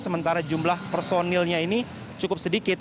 sementara jumlah personilnya ini cukup sedikit